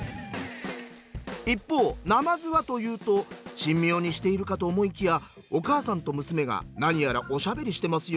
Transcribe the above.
一方なまずはというと神妙にしているかと思いきやお母さんと娘が何やらおしゃべりしてますよ。